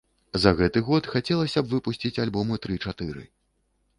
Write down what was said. За гэты год хацелася б выпусціць альбомы тры-чатыры.